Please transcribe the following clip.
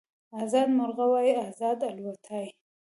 ازاد مرغه وای ازاد الوتای